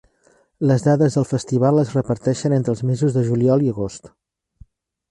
Les dades del festival es reparteixen entre els mesos de juliol i agost.